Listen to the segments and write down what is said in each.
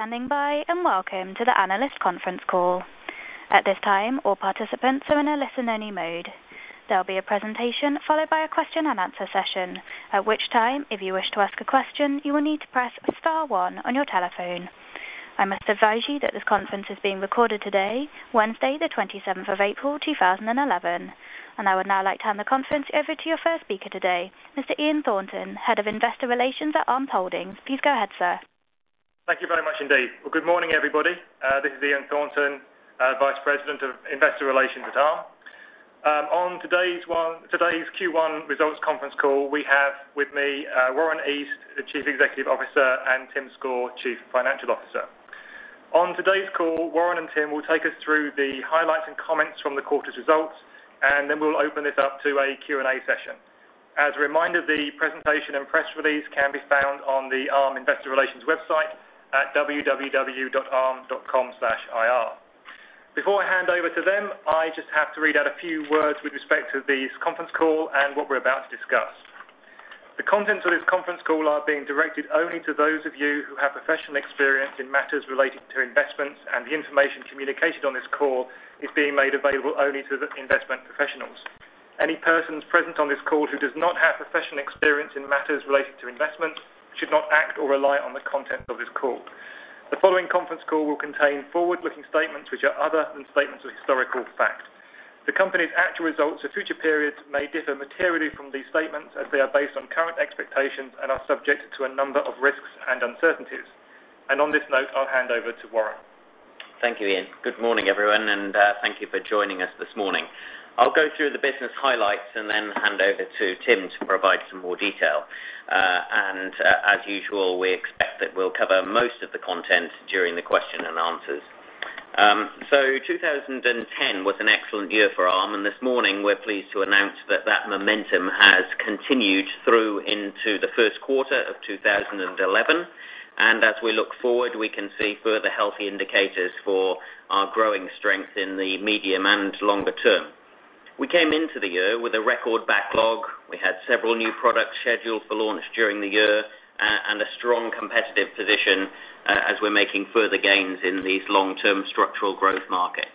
Standing by and welcome to the analyst conference call. At this time, all participants are in a listen-only mode. There'll be a presentation followed by a question-and-answer session. At that time, if you wish to ask a question, you will need to press Star, one on your telephone. I must advise you that this conference is being recorded today, Wednesday, the 27th of April, 2011. I would now like to hand the conference over to your first speaker today, Mr. Ian Thornton, Head of Investor Relations at Arm Holdings. Please go ahead, sir. Thank you very much indeed. Good morning, everybody. This is Ian Thornton, Vice President of Investor Relations at Arm Holdings. On today's Q1 results conference call, we have with me Warren East, the Chief Executive Officer, and Tim Score, Chief Financial Officer. On today's call, Warren and Tim will take us through the highlights and comments from the quarter's results, and then we'll open this up to a Q&A session. As a reminder, the presentation and press release can be found on the Arm Investor Relations website at www.arm.com/ir. Before I hand over to them, I just have to read out a few words with respect to this conference call and what we're about to discuss. The contents of this conference call are being directed only to those of you who have professional experience in matters related to investments, and the information communicated on this call is being made available only to investment professionals. Any persons present on this call who do not have professional experience in matters related to investment should not act or rely on the content of this call. The following conference call will contain forward-looking statements, which are other than statements of historical fact. The company's actual results of future periods may differ materially from these statements as they are based on current expectations and are subject to a number of risks and uncertainties. On this note, I'll hand over to Warren. Thank you, Ian. Good morning, everyone, and thank you for joining us this morning. I'll go through the business highlights and then hand over to Tim to provide some more detail. As usual, we expect that we'll cover most of the content during the question and answers. 2010 was an excellent year for Arm in this morning we're pleased to announce that that momentum has continued through into the first quarter of 2011. As we look forward, we can see further healthy indicators for our growing strength in the medium and longer term. We came into the year with a record backlog. We had several new products scheduled for launch during the year and a strong competitive position as we're making further gains in these long-term structural growth markets.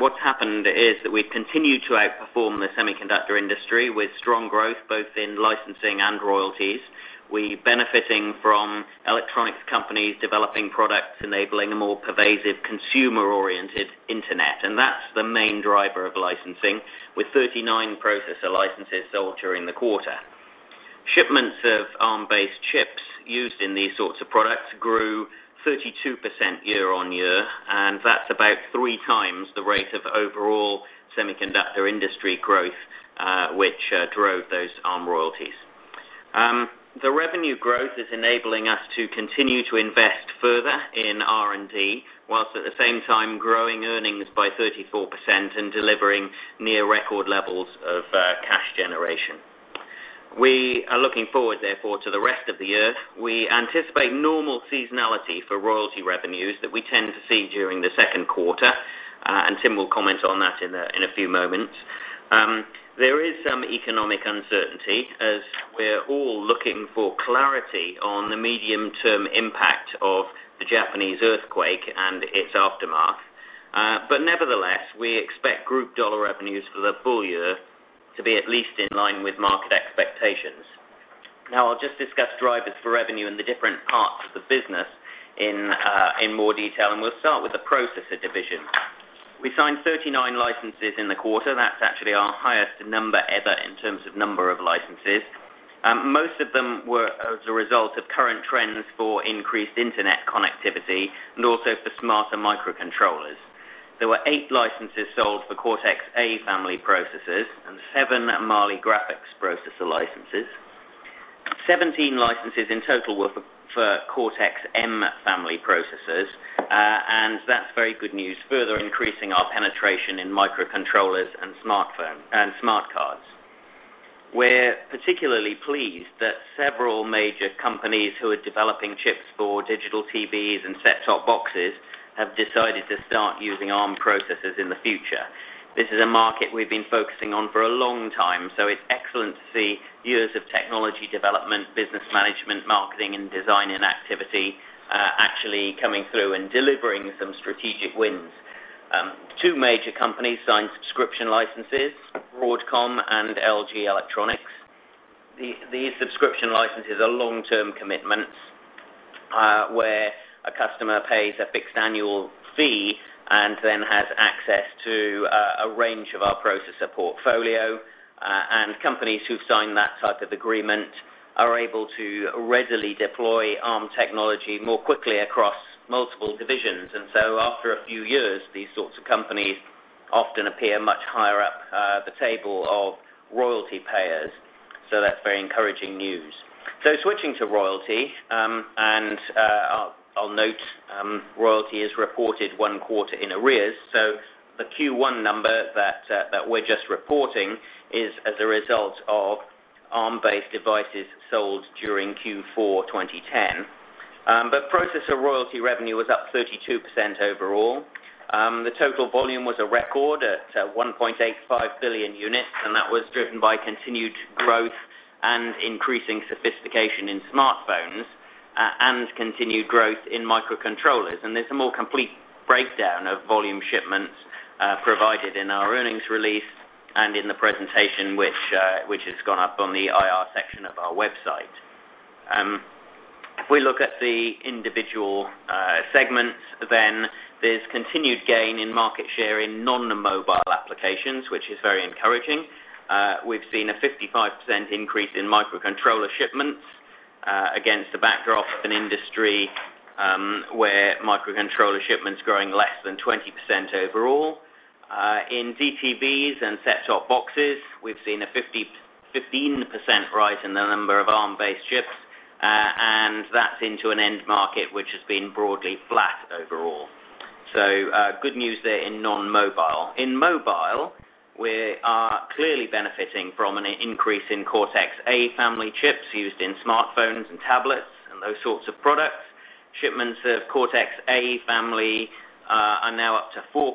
What's happened is that we've continued to outperform the semiconductor industry with strong growth both in licensing and royalties. We're benefiting from electronics companies developing products enabling a more pervasive consumer-oriented Internet, and that's the main driver of licensing, with 39 processor licenses sold during the quarter. Shipments of Arm-based chips used in these sorts of products grew 32% year-on-year, and that's about 3x the rate of overall semiconductor industry growth, which drove those Arm royalties. The revenue growth is enabling us to continue to invest further in R&D, whilst at the same time growing earnings by 34% and delivering near record levels of cash generation. We are looking forward, therefore, to the rest of the year. We anticipate normal seasonality for royalty revenues that we tend to see during the second quarter, and Tim will comment on that in a few moments. There is some economic uncertainty as we're all looking for clarity on the medium-term impact of the Japanese earthquake and its aftermath. Nevertheless, we expect group dollar revenues for the full year to be at least in line with market expectations. Now, I'll just discuss drivers for revenue in the different parts of the business in more detail, and we'll start with the processor division. We signed 39 licenses in the quarter. That's actually our highest number ever in terms of number of licenses. Most of them were as a result of current trends for increased Internet connectivity and also for smarter microcontrollers. There were eight licenses sold for Cortex-A family processors and seven Mali graphics processor licenses. 17 licenses in total were for Cortex-M family processors, and that's very good news, further increasing our penetration in microcontrollers and smart cards. We're particularly pleased that several major companies who are developing chips for digital TVs and set-top boxes have decided to start using Arm processors in the future. This is a market we've been focusing on for a long time, so it's excellent to see years of technology development, business management, marketing, and design activity actually coming through and delivering some strategic wins. Two major companies signed subscription licenses: Broadcom and LG Electronics. These subscription licenses are long-term commitments where a customer pays a fixed annual fee and then has access to a range of our processor portfolio. Companies who've signed that type of agreement are able to readily deploy Arm technology more quickly across multiple divisions. After a few years, these sorts of companies often appear much higher up the table of royalty payers, so that's very encouraging news. Switching to royalty, I'll note royalty is reported one quarter in arrears, so the Q1 number that we're just reporting is as a result of Arm-based devices sold during Q4 2010. Processor royalty revenue was up 32% overall. The total volume was a record at 1.85 billion units, and that was driven by continued growth and increasing sophistication in smartphones and continued growth in microcontrollers. There's a more complete breakdown of volume shipments provided in our earnings release and in the presentation, which has gone up on the IR section of our website. If we look at the individual segments, then there's continued gain in market share in non-mobile applications, which is very encouraging. We've seen a 55% increase in microcontroller shipments against a backdrop in industry where microcontroller shipments growing less than 20% overall. In DTVs and set-top boxes, we've seen a 15% rise in the number of Arm-based chips, and that's into an end market which has been broadly flat overall. Good news there in non-mobile. In mobile, we are clearly benefiting from an increase in Cortex-A family chips used in smartphones and tablets and those sorts of products. Shipments of Cortex-A family are now up to 4%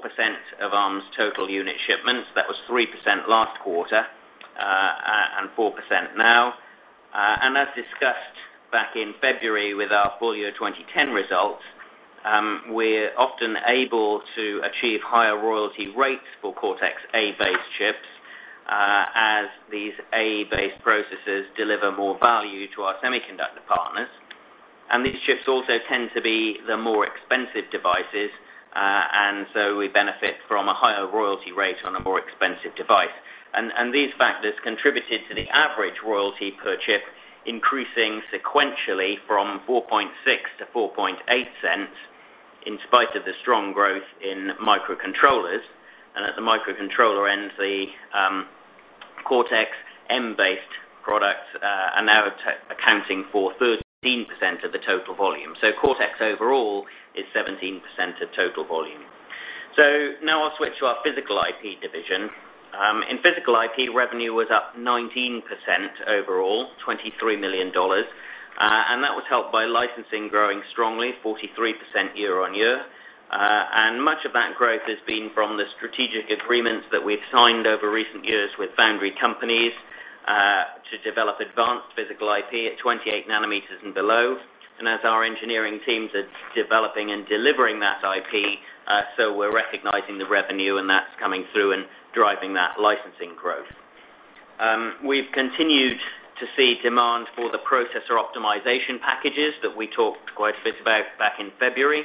of Arm's total unit shipments. That was 3% last quarter and 4% now. As discussed back in February with our full-year 2010 results, we're often able to achieve higher royalty rates for Cortex-A-based chips as these A-based processors deliver more value to our semiconductor partners. These chips also tend to be the more expensive devices, and we benefit from a higher royalty rate on a more expensive device. These factors contributed to the average royalty per chip increasing sequentially from $0.046 to $0.048 in spite of the strong growth in microcontrollers. At the microcontroller end, the Cortex-M-based products are now accounting for 13% of the total volume. Cortex overall is 17% of total volume. Now I'll switch to our physical IP division. In physical IP, revenue was up 19% overall, $23 million, and that was helped by licensing growing strongly, 43% year-on-year. Much of that growth has been from the strategic agreements that we've signed over recent years with foundry companies to develop advanced physical IP at 28 nm and below. As our engineering teams are developing and delivering that IP, we're recognizing the revenue, and that's coming through and driving that licensing growth. We've continued to see demand for the Processor Optimization Packages that we talked quite a bit about back in February.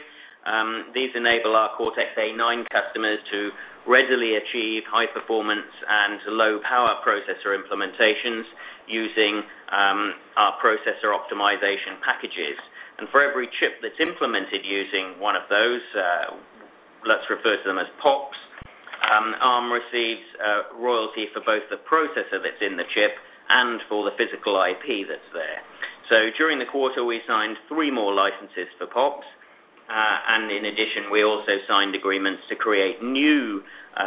These enable our Cortex-A9 customers to readily achieve high-performance and low-power processor implementations using our Processor Optimization Packages. For every chip that's implemented using one of those, let's refer to them as POPs, Arm receives royalty for both the processor that's in the chip and for the physical IP that's there. During the quarter, we signed three more licenses for POPs, and in addition, we also signed agreements to create new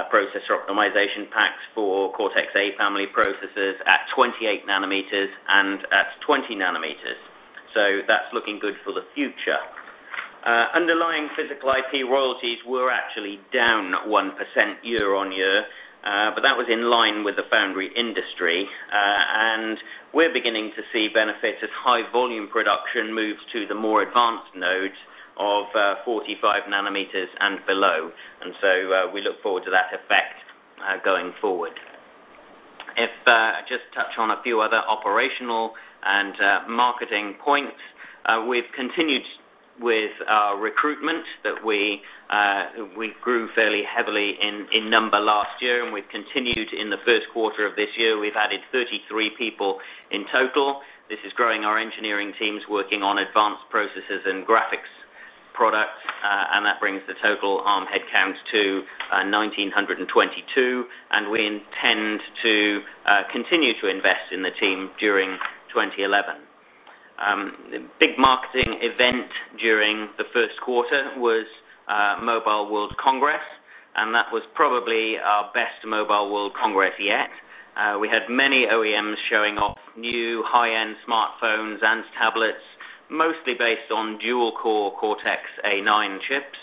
Processor Optimization Packs for Cortex-A family processors at 28 nm and at 20 nm. That's looking good for the future. Underlying physical IP royalties were actually down 1% year-on-year, but that was in line with the foundry industry. We're beginning to see benefits as high-volume production moves to the more advanced nodes of 45 nm and below, and we look forward to that effect going forward. If I just touch on a few other operational and marketing points, we've continued with our recruitment that we grew fairly heavily in number last year, and we've continued in the first quarter of this year. We've added 33 people in total. This is growing our engineering teams working on advanced processors and graphics products, and that brings the total Arm headcount to 1,922. We intend to continue to invest in the team during 2011. The big marketing event during the first quarter was Mobile World Congress, which was probably our best Mobile World Congress yet. We had many OEMs showing off new high-end smartphones and tablets, mostly based on dual-core Cortex-A9 chips.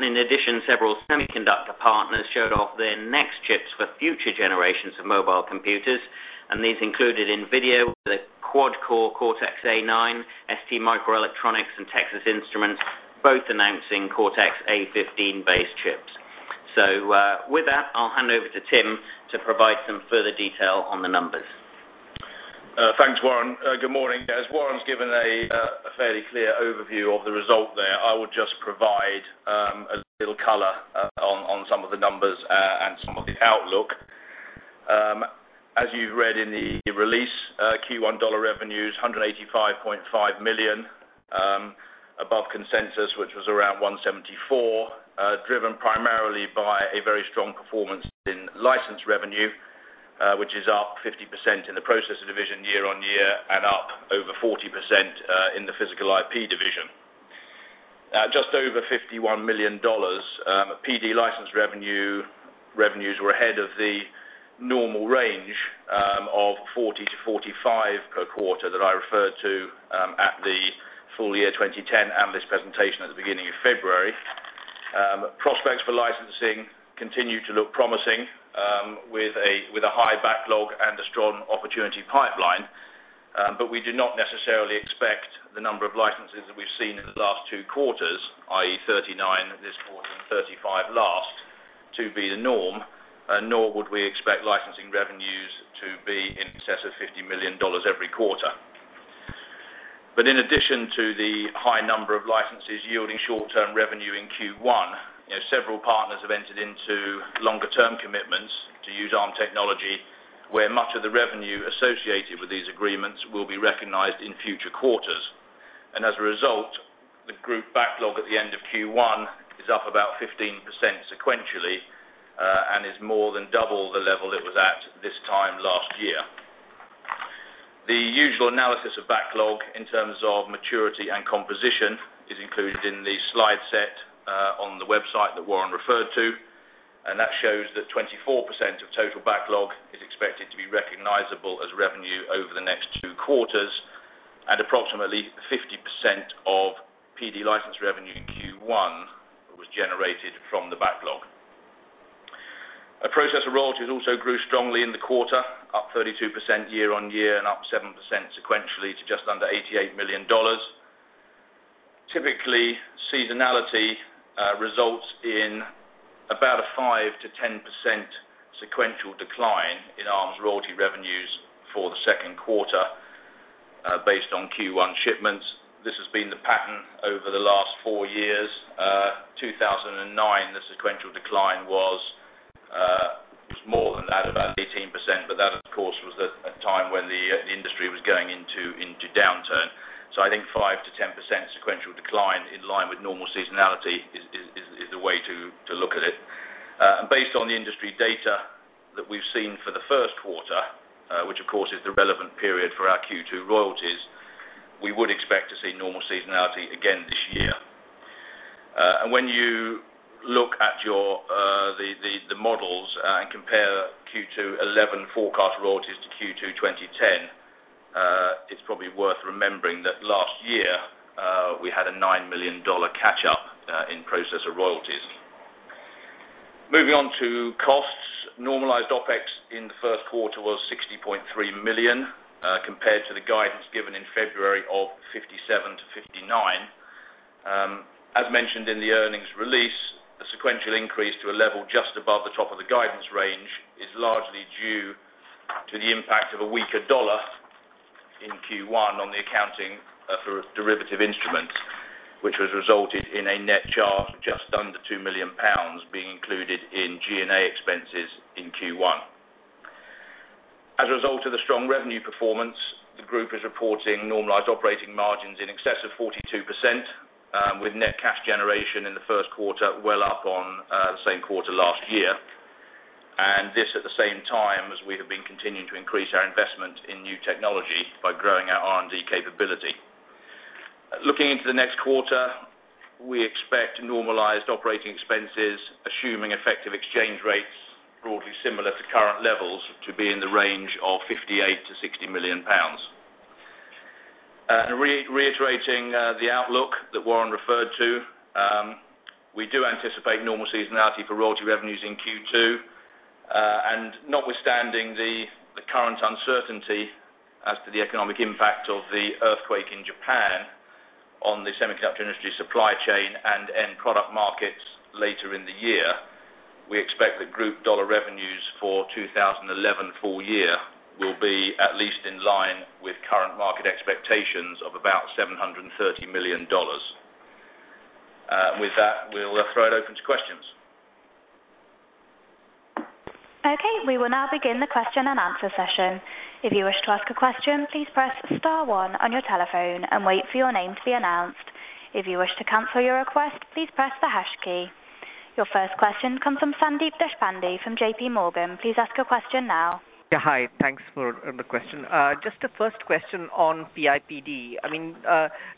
In addition, several semiconductor partners showed off their next chips for future generations of mobile computers, and these included NVIDIA, the quad-core Cortex-A9, STMicroelectronics, and Texas Instruments, both announcing Cortex-A15-based chips. With that, I'll hand over to Tim to provide some further detail on the numbers. Thanks, Warren. Good morning. As Warren's given a fairly clear overview of the result there, I would just provide a little color on some of the numbers and some of the outlook. As you've read in the release, Q1 dollar revenue is $185.5 million, above consensus, which was around $174 million, driven primarily by a very strong performance in license revenue, which is up 50% in the processor division year-on-year and up over 40% in the physical IP division. Just over $51 million PD processor division license revenues were ahead of the normal range of $40 million-$45 million per quarter that I referred to at the full year 2010 analyst presentation at the beginning of February. Prospects for licensing continue to look promising with a high backlog and a strong opportunity pipeline. We do not necessarily expect the number of licenses that we've seen in the last two quarters, i.e. 39 this quarter and 35 last, to be the norm, nor would we expect licensing revenues to be in excess of $50 million every quarter. In addition to the high number of licenses yielding short-term revenue in Q1, several partners have entered into longer-term commitments to use Arm technology, where much of the revenue associated with these agreements will be recognized in future quarters. As a result, the group backlog at the end of Q1 is up about 15% sequentially and is more than double the level it was at this time last year. The usual analysis of backlog in terms of maturity and composition is included in the slide set on the website that Warren referred to, and that shows that 24% of total backlog is expected to be recognizable as revenue over the next two quarters, and approximately 50% of PD license revenue in Q1 was generated from the backlog. Processor royalty also grew strongly in the quarter, up 32% year-on-year and up 7% sequentially to just under $88 million. Typically, seasonality results in about a 5%-10% sequential decline in Arm's royalty revenues for the second quarter based on Q1 shipments. This has been the pattern over the last four years. In 2009, the sequential decline was more than that at 18%, but that, of course, was a time when the industry was going into downturn. I think 5% to 10% sequential decline in line with normal seasonality is the way to look at it. Based on the industry data that we've seen for the first quarter, which, of course, is the relevant period for our Q2 royalties, we would expect to see normal seasonality again this year. When you look at the models and compare Q2 2011 forecast royalties to Q2 2010, it's probably worth remembering that last year we had a $9 million catch-up in processor royalties. Moving on to costs, normalized OpEx in the first quarter was $60.3 million compared to the guidance given in February of $57 million-$59 million. As mentioned in the earnings release, the sequential increase to a level just above the top of the guidance range is largely due to the impact of a weaker dollar in Q1 on the accounting for derivative instruments, which has resulted in a net charge of just under £2 million being included in G&A expenses in Q1. As a result of the strong revenue performance, the group is reporting normalized operating margins in excess of 42%, with net cash generation in the first quarter well up on the same quarter last year. This is at the same time as we have been continuing to increase our investment in new technology by growing our R&D capability. Looking into the next quarter, we expect normalized operating expenses, assuming effective exchange rates broadly similar to current levels, to be in the range of £58 million-£60 million. Reiterating the outlook that Warren referred to, we do anticipate normal seasonality for royalty revenues in Q2. Notwithstanding the current uncertainty as to the economic impact of the earthquake in Japan on the semiconductor industry supply chain and end product markets later in the year, we expect that group dollar revenues for 2011 full year will be at least in line with current market expectations of about $730 million. With that, we'll throw it open to questions. Okay. We will now begin the question-and-answer session. If you wish to ask a question, please press Star, one on your telephone and wait for your name to be announced. If you wish to cancel your request, please press the Hash key. Your first question comes from Sandeep Deshpande from JPMorgan. Please ask your question now. Yeah. Hi. Thanks for the question. Just a first question on PIPD. I mean,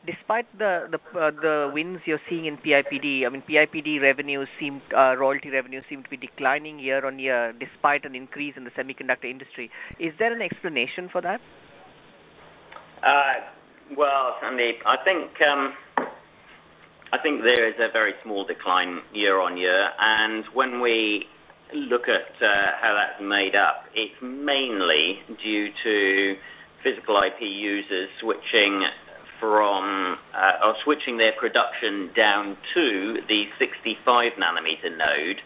despite the wins you're seeing in PIPD, and PIPD royalty revenues seem to be declining year-on-year despite an increase in the semiconductor industry. Is there an explanation for that? I think there is a very small decline year on year. When we look at how that's made up, it's mainly due to physical IP users switching their production down to the 65 nm node.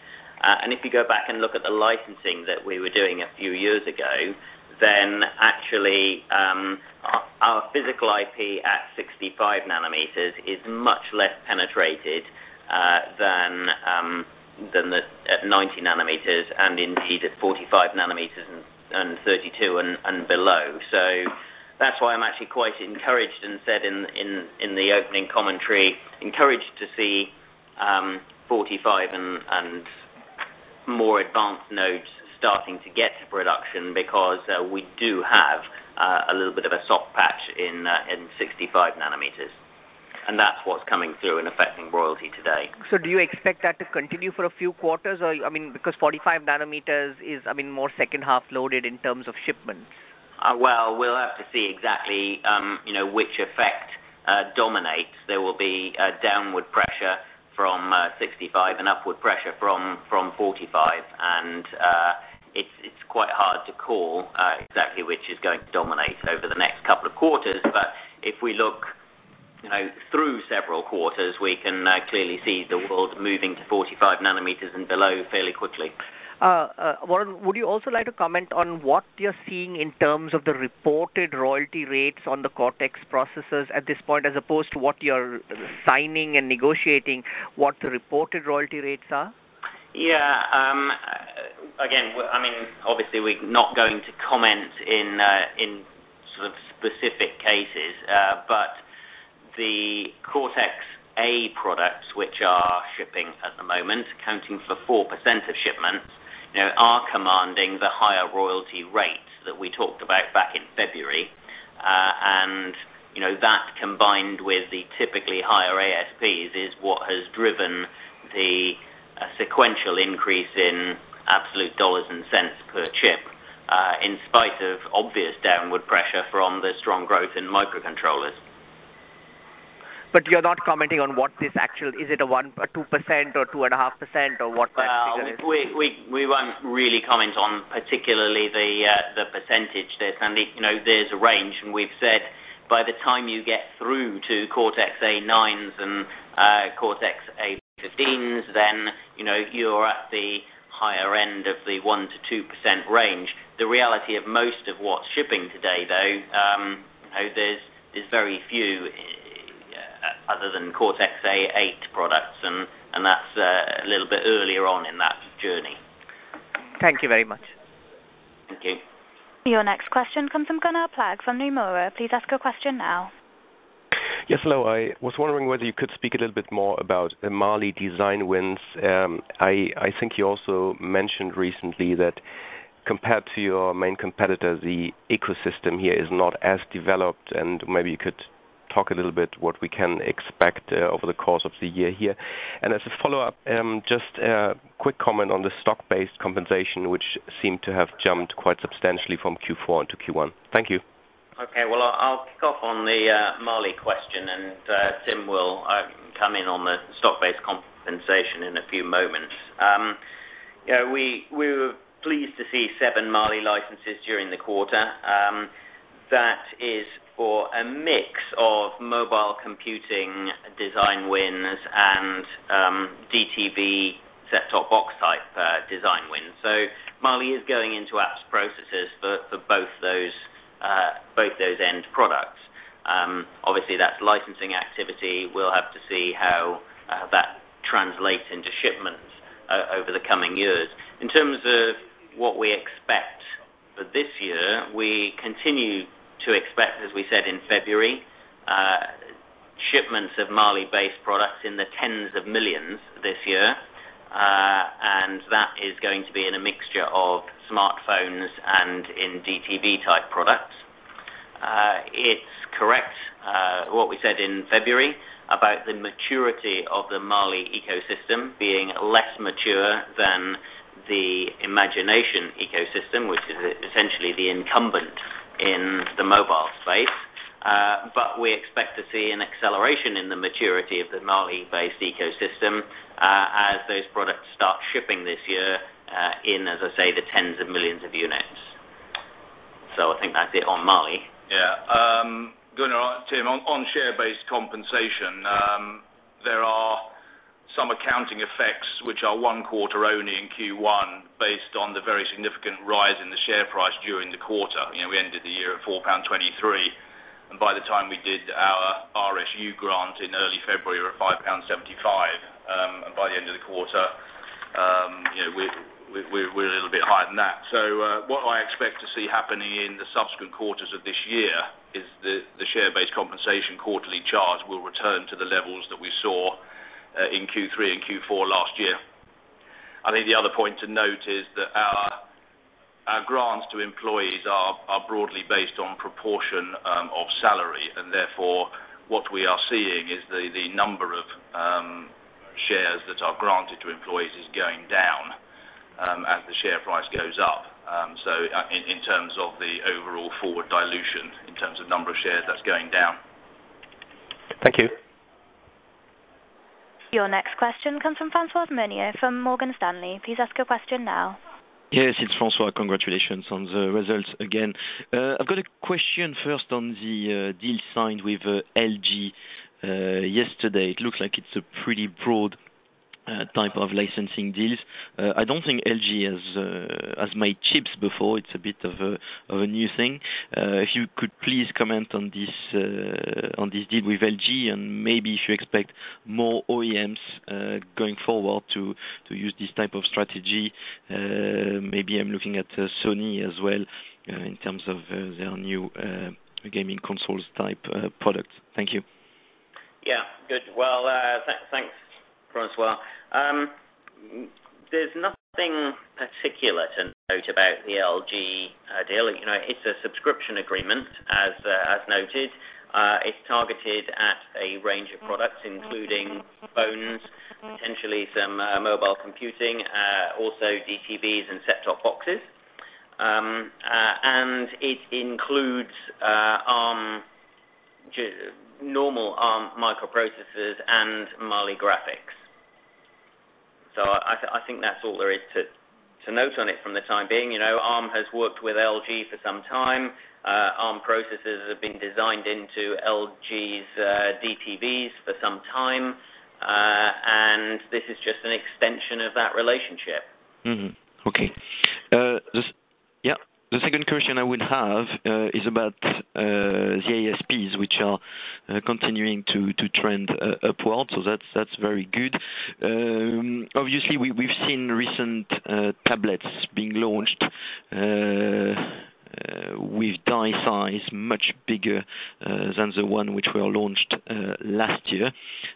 If you go back and look at the licensing that we were doing a few years ago, then actually our physical IP at 65 nm is much less penetrated than at 90 nm and indeed at 45 nm and 32 nm and below. That's why I'm actually quite encouraged and said in the opening commentary, encouraged to see 45 nm and more advanced nodes starting to get to production because we do have a little bit of a soft patch in 65 nm. That's what's coming through and affecting royalty today. Do you expect that to continue for a few quarters? I mean, because 45 nm is, I mean, more second half loaded in terms of shipments. There will be downward pressure from 65 nm and upward pressure from 45 nm. It's quite hard to call exactly which is going to dominate over the next couple of quarters. If we look through several quarters, we can clearly see the world moving to 45 nm and below fairly quickly. Warren, would you also like to comment on what you're seeing in terms of the reported royalty rates on the Cortex processors at this point as opposed to what you're signing and negotiating, what the reported royalty rates are? Yeah. Obviously, we're not going to comment in specific cases. The Cortex-A products, which are shipping at the moment, accounting for 4% of shipments, are commanding the higher royalty rate that we talked about back in February. That, combined with the typically higher ASPs, is what has driven the sequential increase in absolute dollars and $0.01 per chip in spite of obvious downward pressure from the strong growth in microcontrollers. You're not commenting on what this actual, is it a 1%, 2%, or 2.5%, or what that figure is? No. We won't really comment on particularly the percentage there, Sandeep. There's a range. We've said by the time you get through to Cortex-A9s and Cortex-A15s, then you're at the higher end of the 1%-2% range. The reality of most of what's shipping today, though, there's very few other than Cortex-A8 products, and that's a little bit earlier on in that journey. Thank you very much. Thank you. Your next question comes from Gunnar Plagge from Nomura. Please ask your question now. Yes. Hello. I was wondering whether you could speak a little bit more about the Mali design wins. I think you also mentioned recently that compared to your main competitors, the ecosystem here is not as developed. Maybe you could talk a little bit what we can expect over the course of the year here. As a follow-up, just a quick comment on the share-based compensation, which seemed to have jumped quite substantially from Q4 to Q1. Thank you. Okay. I'll pick up on the Mali question, and Tim will come in on the stock-based compensation in a few moments. We were pleased to see seven Mali licenses during the quarter. That is for a mix of mobile computing design wins and DTV set-top box type design wins. Mali is going into our processors for both those end products. Obviously, that's licensing activity. We'll have to see how that translates into shipments over the coming years. In terms of what we expect for this year, we continue to expect, as we said in February, shipments of Mali-based products in the tens of millions this year. That is going to be in a mixture of smartphones and in DTV-type products. It's correct what we said in February about the maturity of the Mali ecosystem being less mature than the Imagination ecosystem, which is essentially the incumbent in the mobile space. We expect to see an acceleration in the maturity of the Mali-based ecosystem as those products start shipping this year in, as I say, the tens of millions of units. I think that's it on Mali. Yeah. Gunnar, Tim, on share-based compensation, there are some accounting effects which are one quarter only in Q1 based on the very significant rise in the share price during the quarter. We ended the year at £4.23, and by the time we did our RSU grant in early February, we were at £5.75. By the end of the quarter, we're a little bit higher than that. What I expect to see happening in the subsequent quarters of this year is the share-based compensation quarterly charge will return to the levels that we saw in Q3 and Q4 last year. I think the other point to note is that our grants to employees are broadly based on proportion of salary. Therefore, what we are seeing is the number of shares that are granted to employees is going down as the share price goes up. In terms of the overall forward dilution, in terms of number of shares, that's going down. Thank you. Your next question comes from François Meunier from Morgan Stanley. Please ask your question now. Yes. It's François. Congratulations on the results again. I've got a question first on the deal signed with LG yesterday. It looks like it's a pretty broad type of licensing deal. I don't think LG has made chips before. It's a bit of a new thing. If you could please comment on this deal with LG and maybe if you expect more OEMs going forward to use this type of strategy. Maybe I'm looking at Sony as well in terms of their new gaming consoles type product. Thank you. Good. Thanks, François. There's nothing particular to note about the LGs deal. It's a subscription agreement, as noted. It's targeted at a range of products, including phones, potentially some mobile computing, also DTVs and set-top boxes. It includes normal Arm microprocessors and Mali graphics. I think that's all there is to note on it for the time being. Arm has worked with LG for some time. Arm processors have been designed into LG's DTVs for some time, and this is just an extension of that relationship. Okay. That's a good question I would have. It's about the ASPs, which are continuing to trend upward, so that's very good. Obviously, we've seen recent tablets being launched with die size much bigger than the ones which were launched last year.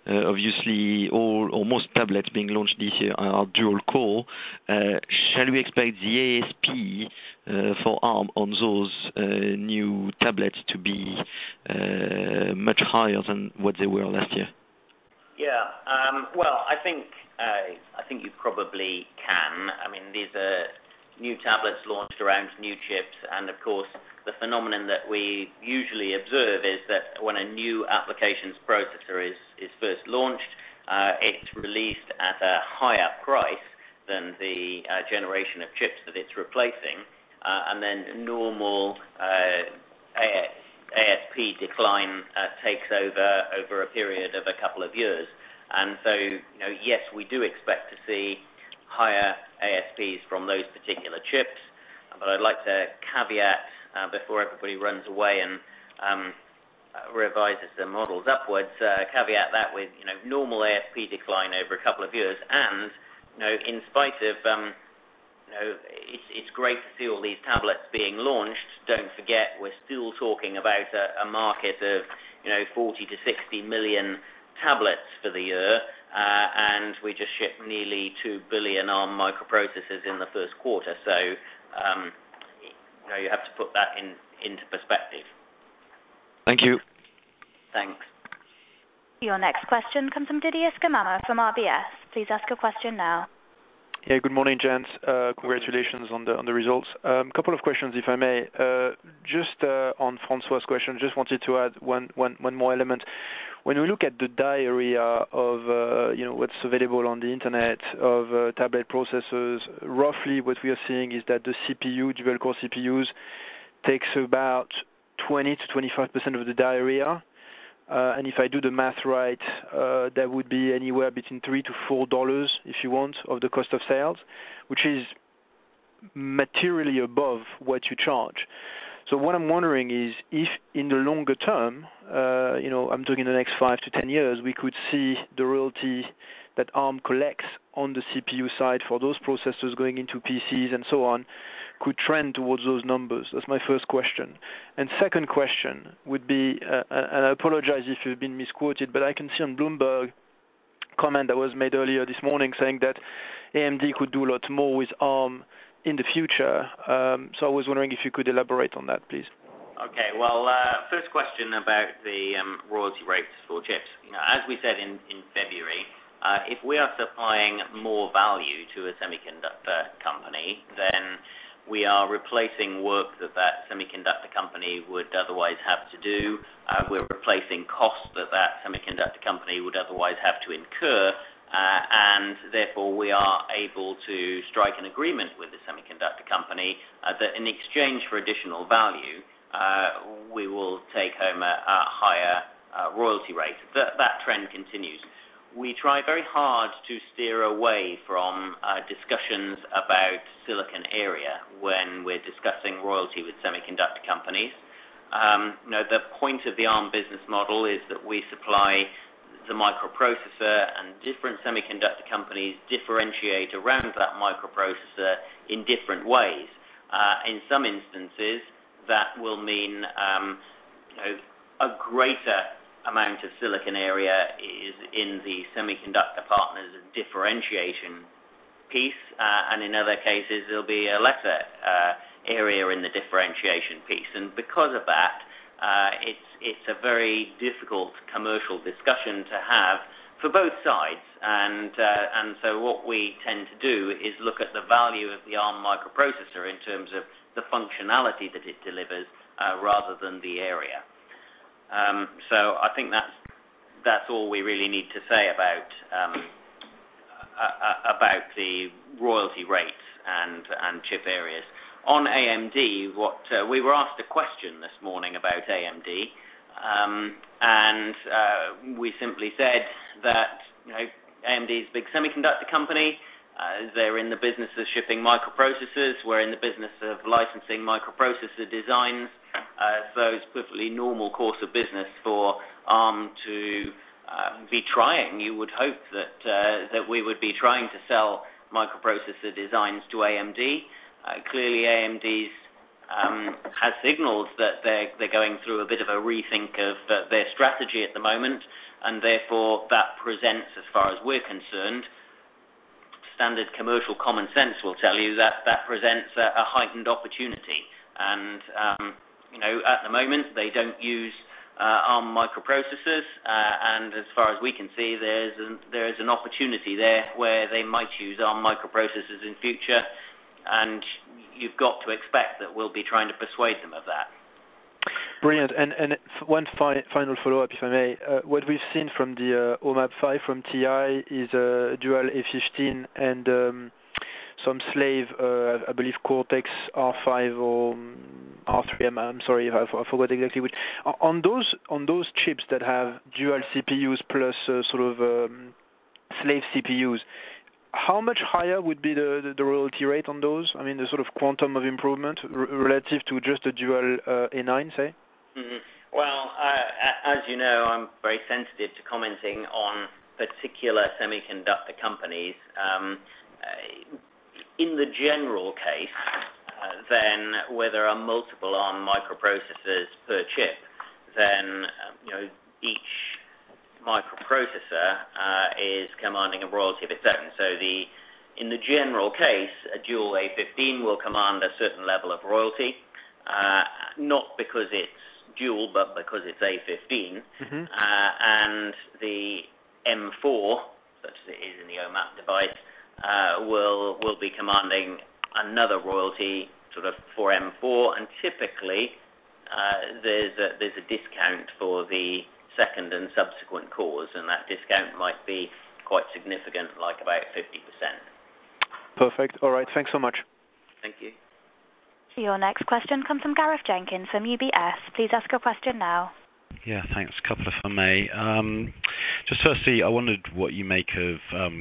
Obviously, almost all tablets being launched this year are dual-core. Shall we expect the ASP for Arm on those new tablets to be much higher than what they were last year? I think you probably can. I mean, these are new tablets launched around new chips. Of course, the phenomenon that we usually observe is that when a new applications processor is first launched, it's released at a higher price than the generation of chips that it's replacing. Then a normal ASP decline takes over a period of a couple of years. Yes, we do expect to see higher ASPs from those particular chips. I'd like to caveat, before everybody runs away and revises their models upwards, caveat that with normal ASP decline over a couple of years. In spite of it's great to see all these tablets being launched. Don't forget, we're still talking about a market of 40 million-60 million tablets for the year. We just shipped nearly 2 billion Arm microprocessors in the first quarter. You have to put that into perspective. Thank you. Thanks. Your next question comes from Didier Scemama from RBS. Please ask your question now. Yeah. Good morning, gents. Congratulations on the results. A couple of questions, if I may. Just on Francois's question, I just wanted to add one more element. When we look at the diary of what's available on the Internet of tablet processors, roughly what we are seeing is that the CPU, dual-core CPUs, takes about 20%-25% of the diary. If I do the math right, that would be anywhere between $3-$4, if you want, of the cost of sales, which is materially above what you charge. What I'm wondering is if in the longer term, I'm talking the next 5-10 years, we could see the royalty that Arm Holdings collects on the CPU side for those processors going into PCs and so on could trend towards those numbers. That's my first question. My second question would be, and I apologize if you've been misquoted, but I can see on Bloomberg a comment that was made earlier this morning saying that AMD could do a lot more with Arm Holdings in the future. I was wondering if you could elaborate on that, please. Okay. First question about the royalty rates for chips. As we said in February, if we are supplying more value to a semiconductor company, then we are replacing work that that semiconductor company would otherwise have to do. We're replacing costs that that semiconductor company would otherwise have to incur. Therefore, we are able to strike an agreement with the semiconductor company that in exchange for additional value, we will take home a higher royalty rate. That trend continues. We try very hard to steer away from discussions about silicon area when we're discussing royalty with semiconductor companies. The point of the Arm business model is that we supply the microprocessor, and different semiconductor companies differentiate around that microprocessor in different ways. In some instances, that will mean a greater amount of silicon area is in the semiconductor partners' differentiation piece. In other cases, there'll be a lesser area in the differentiation piece. Because of that, it's a very difficult commercial discussion to have for both sides. What we tend to do is look at the value of the Arm microprocessor in terms of the functionality that it delivers rather than the area. I think that's all we really need to say about the royalty rates and chip areas. On AMD, we were asked a question this morning about AMD. We simply said that AMD is a big semiconductor company. They're in the business of shipping microprocessors. We're in the business of licensing microprocessor designs. It's a perfectly normal course of business for Arm to be trying. You would hope that we would be trying to sell microprocessor designs to AMD. Clearly, AMD has signaled that they're going through a bit of a rethink of their strategy at the moment. Therefore, that presents, as far as we're concerned, standard commercial common sense will tell you that that presents a heightened opportunity. At the moment, they don't use Arm microprocessors. As far as we can see, there is an opportunity there where they might use Arm microprocessors in the future. You've got to expect that we'll be trying to persuade them of that. Brilliant. One final follow-up, if I may. What we've seen from the OMAP 5 from TI is a dual Cortex-A15 and some slave, I believe, Cortex-R5 or Cortex-R3M. I'm sorry, I forgot exactly which. On those chips that have dual CPUs plus sort of slave CPUs, how much higher would be the royalty rate on those? I mean, the sort of quantum of improvement relative to just a dual Cortex-A9, say. As you know, I'm very sensitive to commenting on particular semiconductor companies. In the general case, where there are multiple Arm microprocessors per chip, each microprocessor is commanding a royalty of its own. In the general case, a dual A15 will command a certain level of royalty, not because it's dual but because it's A15. The M4, such as it is in the OMAP device, will be commanding another royalty for M4. Typically, there's a discount for the second and subsequent cores, and that discount might be quite significant, like about 50%. Perfect. All right, thanks so much. Thank you. Your next question comes from Gareth Jenkins from UBS. Please ask your question now. Yeah. Thanks. A couple of, if I may. Just firstly, I wondered what you make of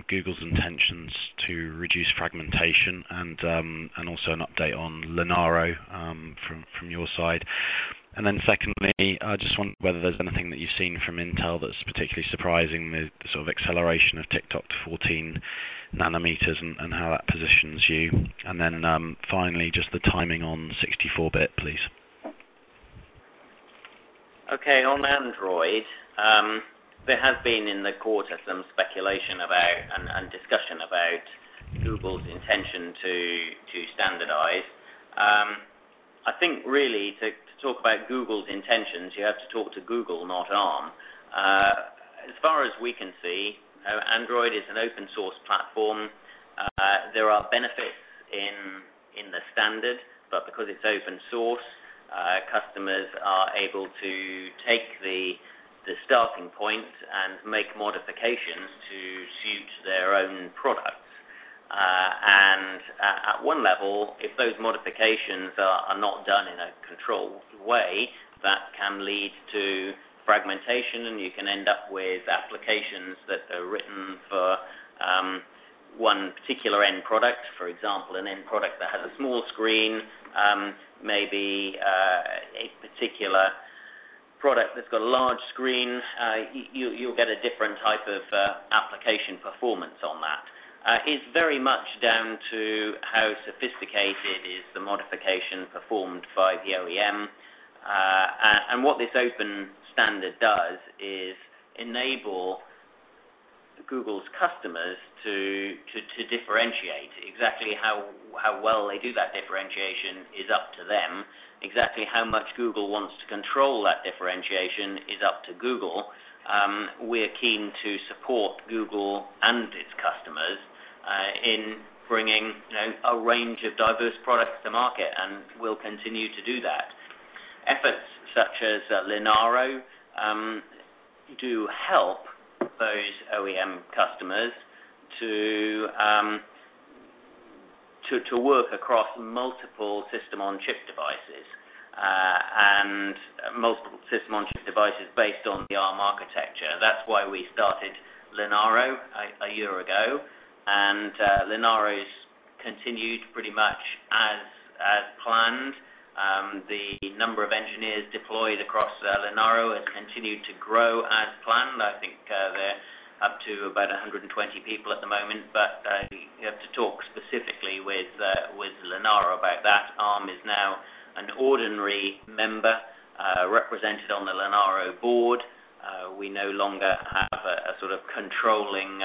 Google's intentions to reduce fragmentation and also an update on Leonardo from your side. Secondly, I just wondered whether there's anything that you've seen from Intel that's particularly surprising, the sort of acceleration of TikTok to 14 nm and how that positions you. Finally, just the timing on 64-bit, please. Okay. On Android, there has been in the quarter some speculation about and discussion about Google's intention to standardize. I think really to talk about Google's intentions, you have to talk to Google, not Arm. As far as we can see, Android is an open-source platform. There are benefits in the standard, but because it's open-source, customers are able to take the starting point and make modifications to suit their own products. At one level, if those modifications are not done in a controlled way, that can lead to fragmentation, and you can end up with applications that are written for one particular end product. For example, an end product that has a small screen. Maybe a particular product that's got a large screen, you'll get a different type of application performance on that. It's very much down to how sophisticated is the modification performed by the OEM. What this open standard does is enable Google's customers to differentiate. Exactly how well they do that differentiation is up to them. Exactly how much Google wants to control that differentiation is up to Google. We are keen to support Google and its customers in bringing a range of diverse products to market, and we'll continue to do that. Efforts such as Leonardo do help those OEM customers to work across multiple system-on-chip devices and multiple system-on-chip devices based on the Arm architecture. That's why we started Leonardo a year ago. Leonardo's continued pretty much as planned. The number of engineers deployed across Leonardo has continued to grow as planned. I think they're up to about 120 people at the moment. You have to talk specifically with Leonardo about that. Arm is now an ordinary member represented on the Leonardo board. We no longer have a sort of controlling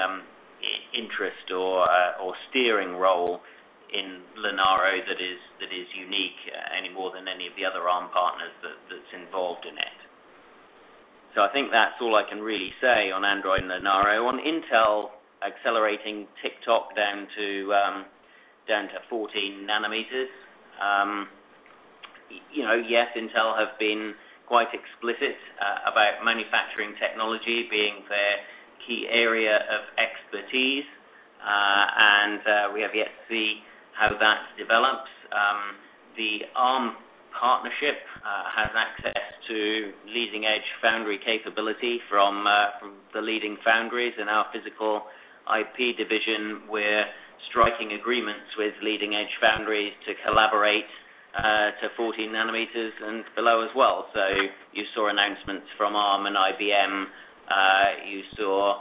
interest or steering role in Leonardo that is unique any more than any of the other Arm partners that's involved in it. I think that's all I can really say on Android and Leonardo. On Intel accelerating TikTok down to 14 nm. Yes, Intel has been quite explicit about manufacturing technology being their key area of expertise. We have yet to see how that develops. The Arm partnership has access to leading-edge foundry capability from the leading foundries. In our physical IP division, we're striking agreements with leading-edge foundries to collaborate to 14 nm and below as well. You saw announcements from Arm and IBM. You saw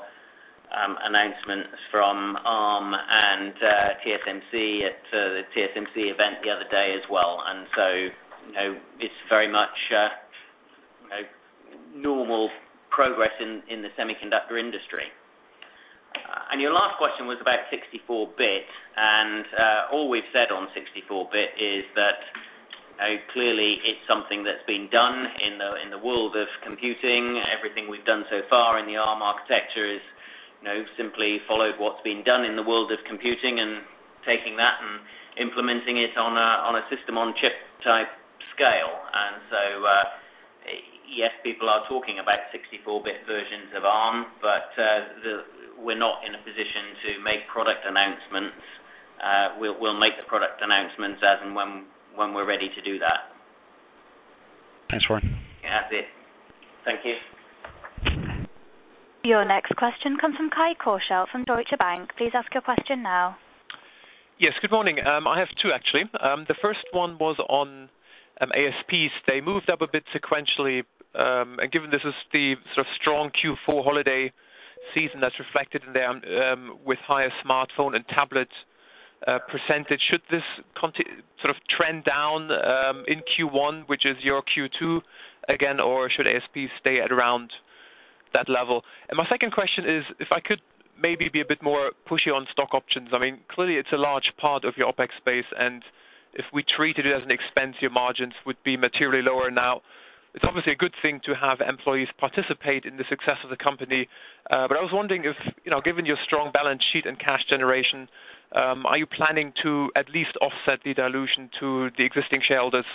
announcements from Arm and TSMC at the TSMC event the other day as well. It is very much normal progress in the semiconductor industry. Your last question was about 64-bit. All we've said on 64-bit is that clearly it's something that's been done in the world of computing. Everything we've done so far in the Arm architecture has simply followed what's been done in the world of computing and taken that and implemented it on a system-on-chip type scale. Yes, people are talking about 64-bit versions of Arm, but we're not in a position to make product announcements. We'll make the product announcements as and when we're ready to do that. Thanks, Warren. Yeah, that's it. Thank you. Your next question comes from Kai Korschelt from Deutsche Bank. Please ask your question now. Yes. Good morning. I have two, actually. The first one was on ASPs. They moved up a bit sequentially. Given this is the sort of strong Q4 holiday season, that's reflected in there with higher smartphone and tablet percentage. Should this sort of trend down in Q1, which is your Q2 again, or should ASPs stay at around that level? My second question is if I could maybe be a bit more pushy on stock options. Clearly, it's a large part of your OpEx base. If we treated it as an expense, your margins would be materially lower now. It's obviously a good thing to have employees participate in the success of the company. I was wondering if, given your strong balance sheet and cash generation, are you planning to at least offset the dilution to the existing shareholders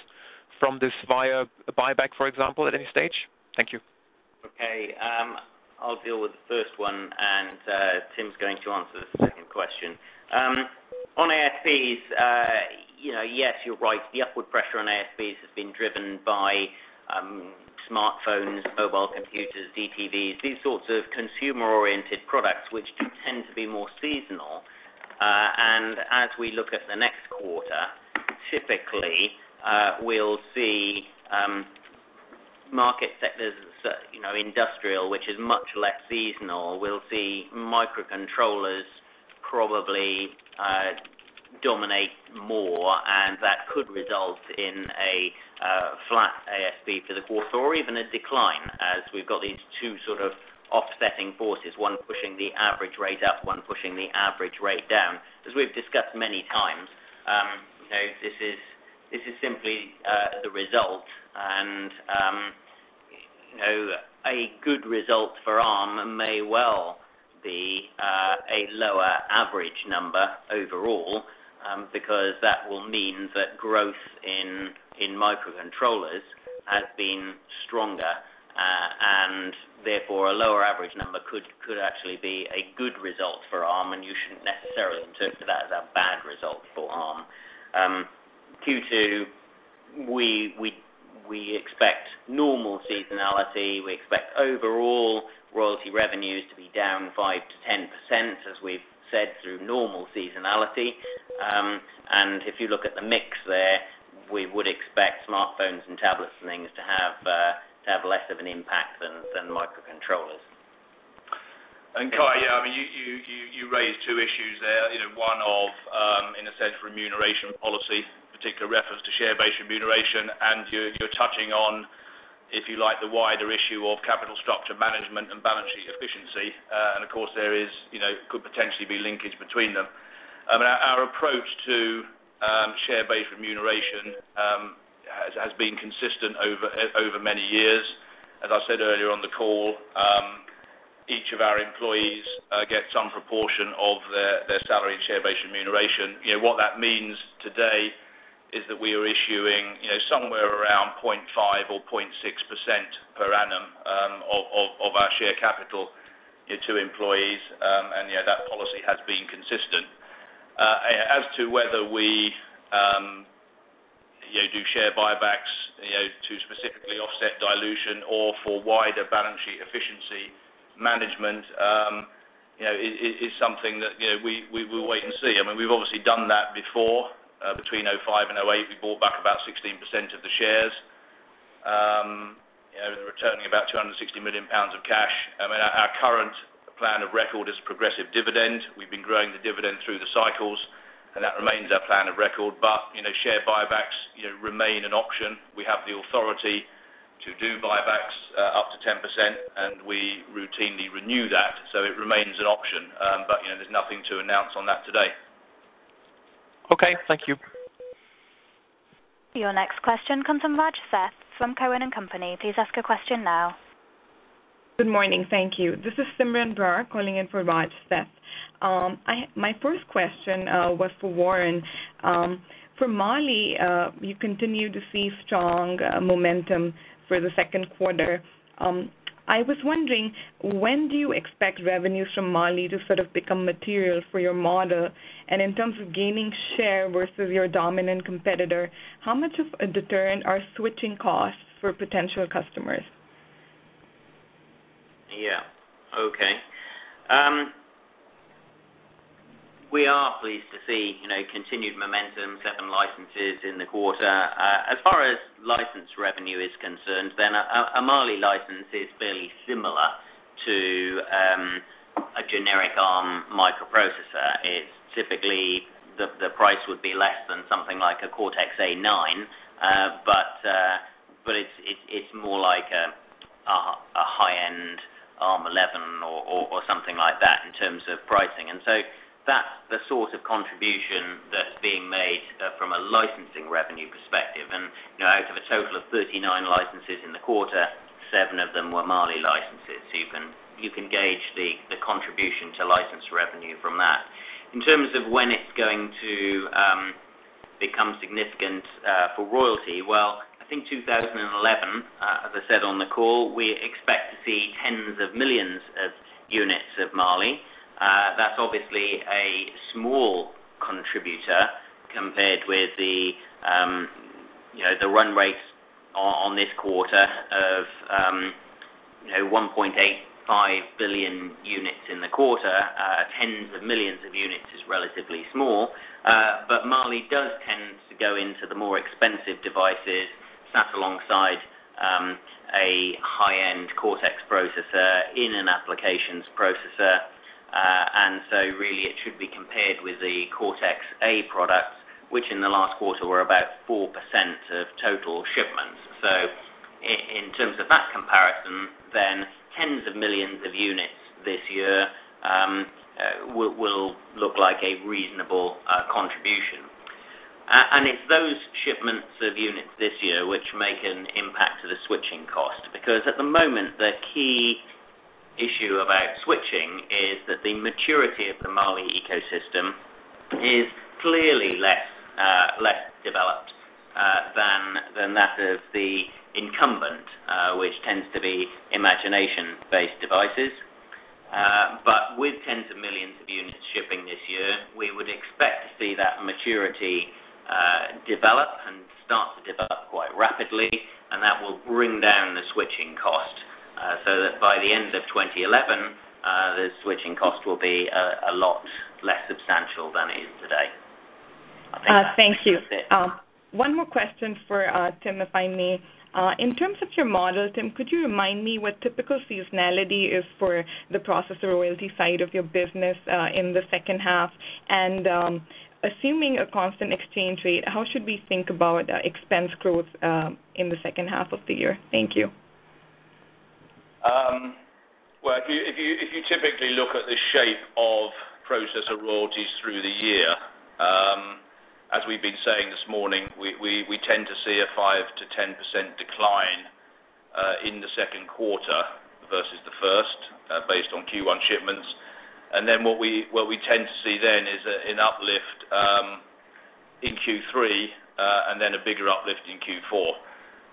from this via a buyback, for example, at any stage? Thank you. Okay. I'll deal with the first one, and Tim's going to answer the second question. On ASPs, yes, you're right. The upward pressure on ASPs has been driven by smartphones, mobile computers, DTVs, these sorts of consumer-oriented products which tend to be more seasonal. As we look at the next quarter, typically, we'll see market sectors such as industrial, which is much less seasonal. We'll see microcontrollers probably dominate more, and that could result in a flat ASP for the quarter or even a decline as we've got these two sort of offsetting forces, one pushing the average rate up, one pushing the average rate down. As we've discussed many times, this is simply the result. A good result for Arm may well be a lower average number overall because that will mean that growth in microcontrollers has been stronger. Therefore, a lower average number could actually be a good result for Arm, and you shouldn't necessarily interpret that as a bad result for Arm. Q2, we expect normal seasonality. We expect overall royalty revenues to be down 5%-10%, as we've said, through normal seasonality. If you look at the mix there, we would expect smartphones and tablets and things to have less of an impact than microcontrollers. Kai, you raised two issues there. One is, in a sense, remuneration policies, with particular reference to share-based remuneration. You are touching on, if you like, the wider issue of capital structure management and balance sheet efficiency. Of course, there could potentially be linkage between them. Our approach to share-based remuneration has been consistent over many years. As I said earlier on the call, each of our employees gets some proportion of their salary in share-based remuneration. What that means today is that we are issuing somewhere around 0.5% or 0.6% per annum of our share capital to employees. That policy has been consistent. As to whether we do share buybacks to specifically offset dilution or for wider balance sheet efficiency management is something that we will wait and see. We have obviously done that before. Between 2005 and 2008, we bought back about 16% of the shares and returned about £260 million of cash. Our current plan of record is progressive dividend. We have been growing the dividend through the cycles, and that remains our plan of record. Share buybacks remain an option. We have the authority to do buybacks up to 10%, and we routinely renew that. It remains an option. There is nothing to announce on that today. Okay, thank you. Your next question comes from Raj Seth from Cowen & Company. Please ask your question now. Good morning. Thank you. This is Simran Brar calling in for Raj Seth. My first question was for Warren. For Mali, you continue to see strong momentum for the second quarter. I was wondering, when do you expect revenues from Mali to sort of become material for your model? In terms of gaining share versus your dominant competitor, how much of a deterrent are switching costs for potential customers? Yeah. Okay. We are pleased to see continued momentum, seven licenses in the quarter. As far as license revenue is concerned, then a Mali license is fairly similar to a generic Arm microprocessor. Typically, the price would be less than something like a Cortex-A9, but it's more like a high-end Arm 11 or something like that in terms of pricing. That's the sort of contribution that's being made from a licensing revenue perspective. Out of a total of 39 licenses in the quarter, seven of them were Mali licenses. You can gauge the contribution to license revenue from that. In terms of when it's going to become significant for royalty, I think 2011, as I said on the call, we expect to see tens of millions of units of Mali. That's obviously a small contributor compared with the run rates on this quarter of 1.85 billion units in the quarter. Tens of millions of units is relatively small. Mali does tend to go into the more expensive devices sat alongside a high-end Cortex processor in an applications processor. It should be compared with the Cortex-A products, which in the last quarter were about 4% of total shipments. In terms of that comparison, tens of millions of units this year will look like a reasonable contribution. It's those shipments of units this year which make an impact to the switching cost because at the moment, the key issue about switching is that the maturity of the Mali ecosystem is clearly less developed than that of the incumbent, which tends to be imagination-based devices. With tens of millions of units shipping this year, we would expect to see that maturity develop and start to develop quite rapidly. That will bring down the switching cost so that by the end of 2011, the switching cost will be a lot less substantial than it is today. Thank you. One more question for Thorn, if I may. In terms of your model, Tim, could you remind me what typical seasonality is for the processor royalty side of your business in the second half? Assuming a constant exchange rate, how should we think about expense growth in the second half of the year? Thank you. If you typically look at the shape of processor royalties through the year, as we've been saying this morning, we tend to see a 5%-10% decline in the second quarter versus the first based on Q1 shipments. What we tend to see then is an uplift in Q3 and then a bigger uplift in Q4.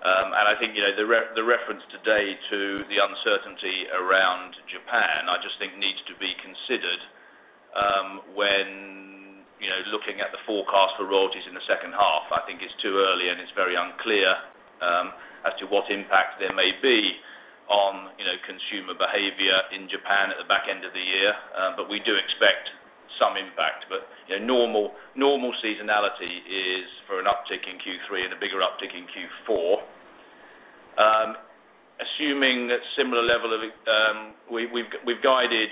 I think the reference today to the uncertainty around Japan, I just think, needs to be considered when looking at the forecast for royalties in the second half. I think it's too early and it's very unclear as to what impact there may be on consumer behavior in Japan at the back end of the year. We do expect some impact. Normal seasonality is for an uptick in Q3 and a bigger uptick in Q4. Assuming that similar level of we've guided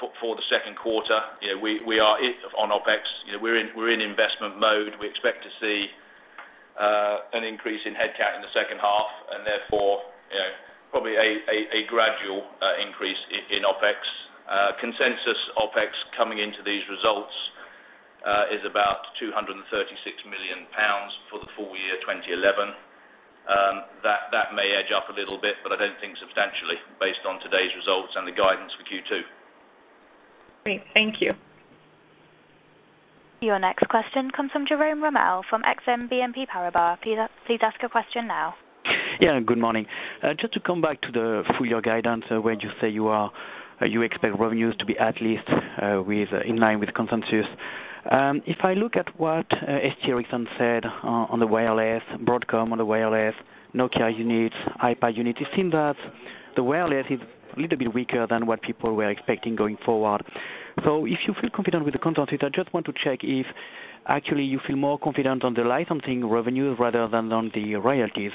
for the second quarter, we are on OpEx. We're in investment mode. We expect to see an increase in headcount in the second half and therefore probably a gradual increase in OpEx. Consensus OpEx coming into these results is about £236 million for the full year 2011. That may edge up a little bit, but I don't think substantially based on today's results and the guidance for Q2. Great. Thank you. Your next question comes from Jérôme Ramel from Exane BNP Paribas. Please ask your question now. Yeah. Good morning. Just to come back to the full-year guidance where you say you expect revenues to be at least in line with consensus. If I look at what Broadcom recently said on the wireless, Nokia units, iPad units, it seems that the wireless is a little bit weaker than what people were expecting going forward. If you feel confident with the consensus, I just want to check if actually you feel more confident on the licensing revenues rather than on the royalties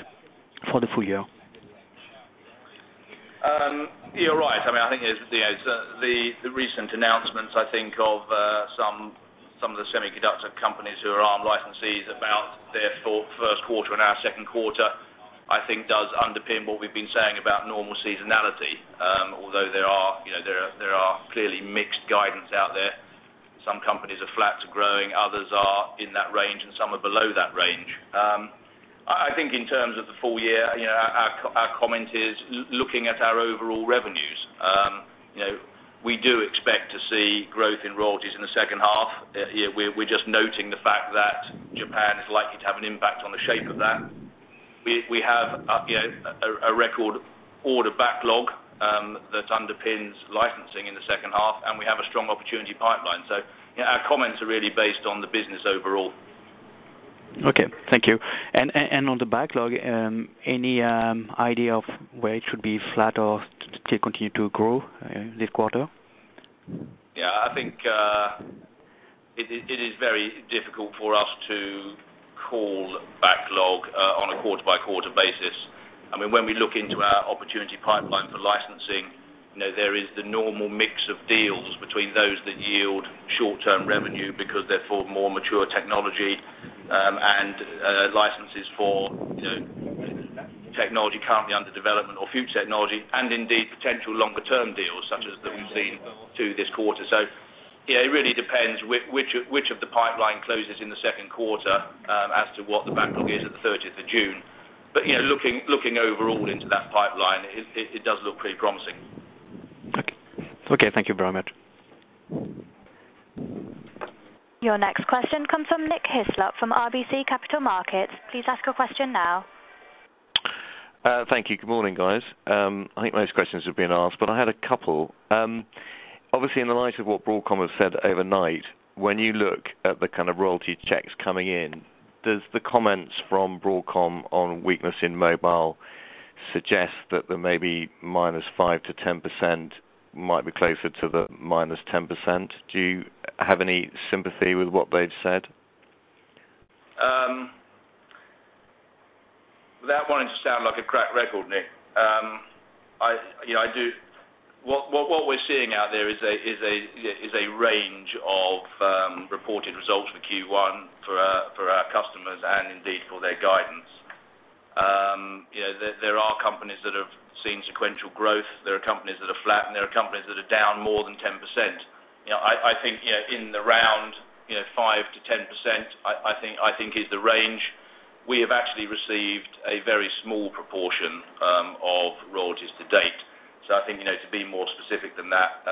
for the full year. You're right. I think the recent announcements of some of the semiconductor companies who are Arm licensees about their first quarter and our second quarter does underpin what we've been saying about normal seasonality. Although there are clearly mixed guidance out there, some companies are flat to growing, others are in that range, and some are below that range. I think in terms of the full year, our comment is looking at our overall revenues. We do expect to see growth in royalties in the second half. We're just noting the fact that Japan is likely to have an impact on the shape of that. We have a record order backlog that underpins licensing in the second half, and we have a strong opportunity pipeline. Our comments are really based on the business overall. Thank you. On the backlog, any idea of where it should be flat or still continue to grow this quarter? Yeah. I think it is very difficult for us to call backlog on a quarter-by-quarter basis. I mean, when we look into our opportunity pipeline for licensing, there is the normal mix of deals between those that yield short-term revenue because they're for more mature technology and licenses for technology currently under development or future technology and indeed potential longer-term deals such as that we've seen this quarter. It really depends which of the pipeline closes in the second quarter as to what the backlog is at the 30th of June. Looking overall into that pipeline, it does look pretty promising. Okay, it's okay. Thank you very much. Your next question comes from Nick Hyslop from RBC Capital Markets. Please ask your question now. Thank you. Good morning, guys. I think most questions have been asked, but I had a couple. Obviously, in the light of what Broadcom has said overnight, when you look at the kind of royalty checks coming in, does the comments from Broadcom on weakness in mobile suggest that the maybe -5% to -10% might be closer to the -10%? Do you have any sympathy with what they've said? That one sounds like a crack record, Nick. What we're seeing out there is a range of reported results for Q1 for our customers and indeed for their guidance. There are companies that have seen sequential growth, there are companies that are flat, and there are companies that are down more than 10%. I think in the round, 5%-10%, I think, is the range. We have actually received a very small proportion of royalties to date. I think to be more specific than that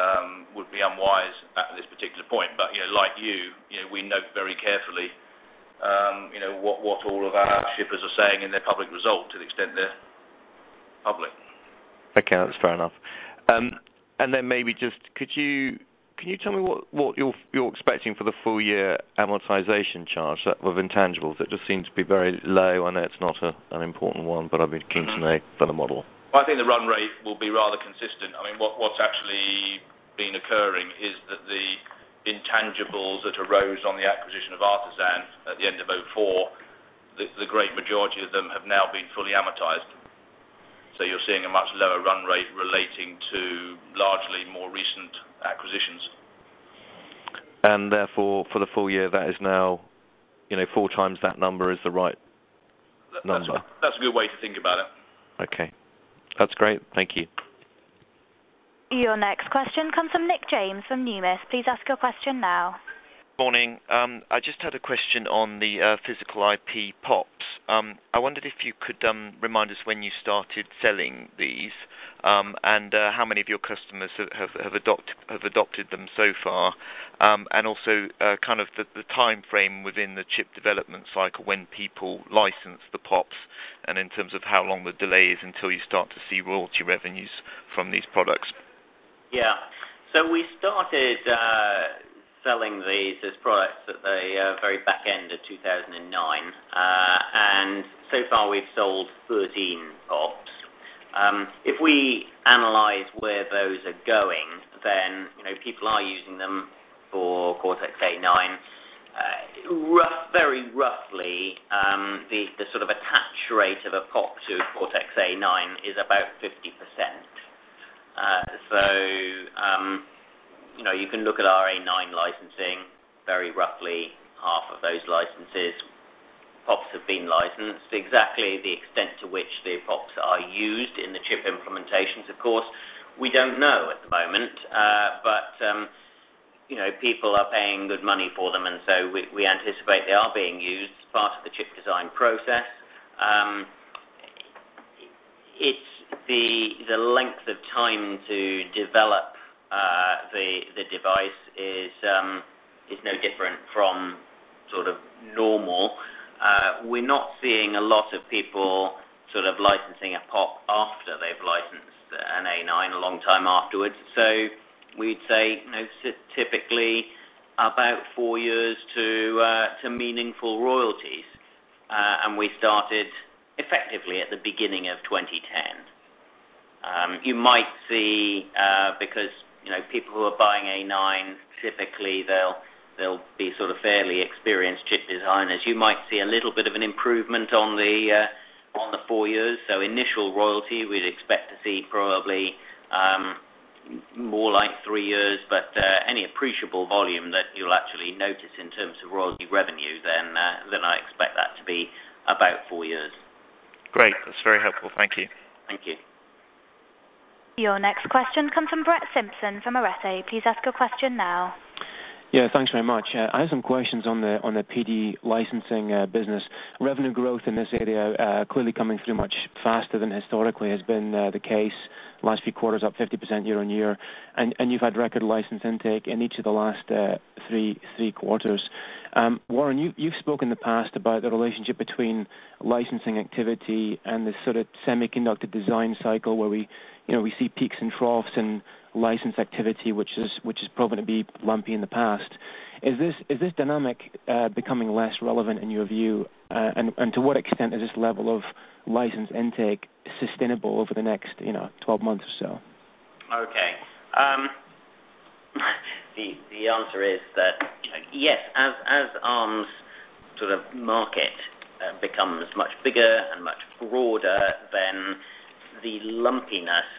would be unwise at this particular point. Like you, we note very carefully what all of our shippers are saying in their public result to the extent they're public. Okay. That's fair enough. Maybe just could you tell me what you're expecting for the full-year amortization charge of intangibles? It just seems to be very low. I know it's not an important one, but I'd be keen to know. I think the run rate will be rather consistent. What's actually been occurring is that the intangibles that arose on the acquisition of Artisan at the end of 2004, the great majority of them have now been fully amortized. You're seeing a much lower run rate relating to largely more recent acquisitions. Therefore, for the full year, that is now four times that number. That is the right number. That's a good way to think about it. Okay, that's great. Thank you. Your next question comes from Nick James from Numis. Please ask your question now. Morning. I just had a question on the physical IP POPs. I wondered if you could remind us when you started selling these and how many of your customers have adopted them so far, and also the timeframe within the chip development cycle when people license the POPs, and in terms of how long the delay is until you start to see royalty revenues from these products. Yeah. We started selling these as products at the very back end of 2009. So far, we've sold 13 POPs. If we analyze where those are going, people are using them for Cortex-A9. Very roughly, the sort of attach rate of a POP to Cortex-A9 is about 50%. You can look at our A9 licensing. Very roughly, half of those licenses, POPs have been licensed. Exactly the extent to which the POPs are used in the chip implementations, of course, we don't know at the moment. People are paying good money for them, and we anticipate they are being used as part of the chip design process. The length of time to develop the device is no different from normal. We're not seeing a lot of people licensing a POP after they've licensed an A9 a long time afterwards. We'd say typically about four years to meaningful royalties. We started effectively at the beginning of 2010. You might see, because people who are buying A9, typically, they'll be fairly experienced chip designers, you might see a little bit of an improvement on the four years. Initial royalty, we'd expect to see probably more like three years. Any appreciable volume that you'll actually notice in terms of royalty revenue, then I expect that to be about four years. Great. That's very helpful. Thank you. Thank you. Your next question comes from Brett Simpson from Arete. Please ask your question now. Yeah. Thanks very much. I have some questions on the PD licensing business. Revenue growth in this area clearly coming through much faster than historically has been the case. The last few quarters up 50% year-on-year, and you've had record license intake in each of the last three quarters. Warren, you've spoken in the past about the relationship between licensing activity and the sort of semiconductor design cycle where we see peaks and troughs in license activity, which has proven to be lumpy in the past. Is this dynamic becoming less relevant in your view? To what extent is this level of license intake sustainable over the next 12 months or so? Okay. The answer is that yes, as Arm's sort of market becomes much bigger and much broader, then the lumpiness